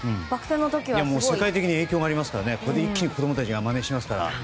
世界的に影響がありますからこれで一気に子供たちがまねしますから。